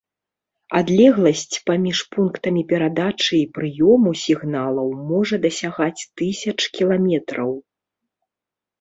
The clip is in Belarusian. Адлегласць паміж пунктамі перадачы і прыёму сігналаў можа дасягаць тысяч кіламетраў.